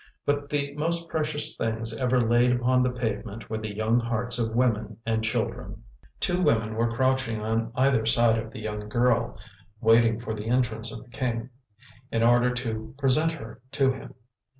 But the most precious things ever laid upon that pavement were the young hearts of women and children. Two women were crouching on either side of the young girl, waiting for the entrance of the king, in order to present her to him.